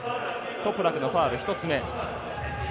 トプラクのファウルは１つ目。